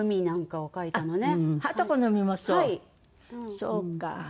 そうか。